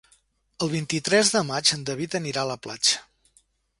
El vint-i-tres de maig en David anirà a la platja.